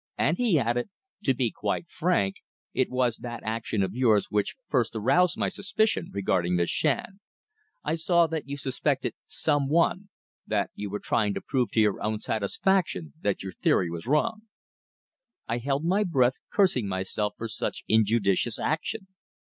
And he added, "To be quite frank, it was that action of yours which first aroused my suspicion regarding Miss Shand. I saw that you suspected some one that you were trying to prove to your own satisfaction that your theory was wrong." I held my breath, cursing myself for such injudicious action.